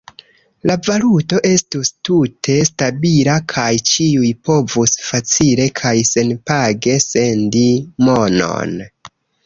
La valuto estus tute stabila kaj ĉiuj povus facile kaj senpage sendi monon.